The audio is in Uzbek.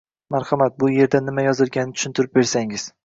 Marhamat, bu yerda nima yozilganini tushuntirib bersangiz.